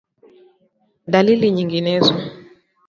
Dalili nyinginezo